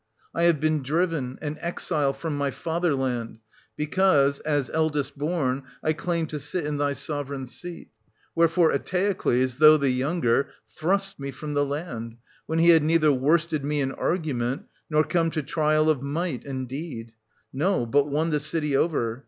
I have been driven, an exile, from my fatherland, because, as eldest born, I claimed to sit in thy sovereign seat. Wherefore Eteocles, though the younger, thrust me from the land, when he had neither worsted me in argument, nor come to trial of might and deed, — no, but won the city over.